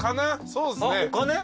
そうっすね。